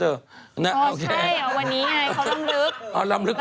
อ๋อใช่เอาวันนี้ไงเขาลำลึก